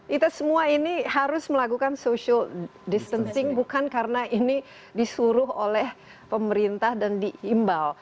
kita semua ini harus melakukan social distancing bukan karena ini disuruh oleh pemerintah dan diimbau